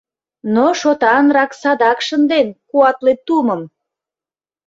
Но шотанрак садак шынден Куатле тумым!